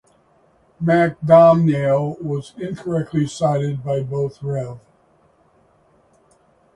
Mac Domhnaill was incorrectly cited by both Rev.